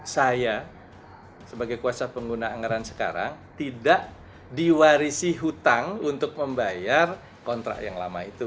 saya sebagai kuasa pengguna anggaran sekarang tidak diwarisi hutang untuk membayar kontrak yang lama itu